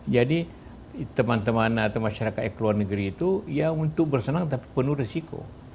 jadi teman teman atau masyarakat yang keluar negeri itu ya untuk bersenang tapi penuh resiko